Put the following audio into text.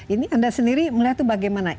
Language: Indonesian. ini anda sendiri melihat itu bagaimana